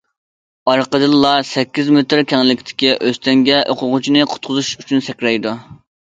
ئارقىدىنلا سەككىز مېتىر كەڭلىكتىكى ئۆستەڭگە ئوقۇغۇچىنى قۇتقۇزۇش ئۈچۈن سەكرەيدۇ.